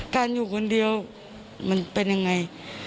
อยู่คนเดียวมันเป็นยังไง